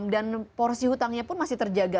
dan porsi hutangnya pun masih terjaga